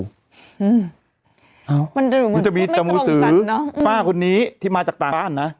มันจะเหมือนไม่ตรงกันนะมันจะมีจมูสือป้าคนนี้ที่มาจากต่างบ้านนะ